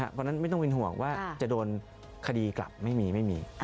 เพราะฉะนั้นไม่ต้องเป็นห่วงว่าจะโดนคดีกลับไม่มีไม่มี